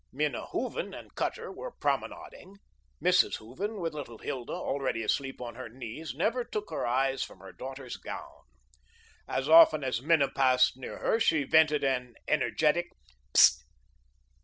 Minna Hooven and Cutter were "promenading." Mrs. Hooven, with little Hilda already asleep on her knees, never took her eyes from her daughter's gown. As often as Minna passed near her she vented an energetic "pst!